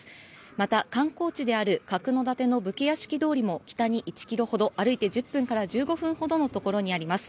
また、観光地である角館の武家屋敷通りも北に１ｋｍ歩いて１０分から１５分ほどのところにあります。